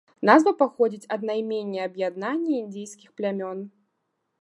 Назва паходзіць ад наймення аб'яднання індзейскіх плямён.